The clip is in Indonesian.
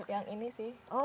yang ini sih